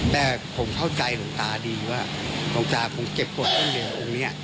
แต่ผมเข้าใจหลวงตาดีว่าหลวงตาผมเก็บขวดต้นเนรของอังเนี่ย